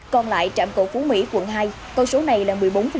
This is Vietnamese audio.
còn lại trạm cầu phú mỹ quận hai con số này là một mươi bốn